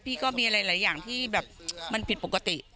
ก็มีอะไรหลายอย่างที่แบบมันผิดปกติ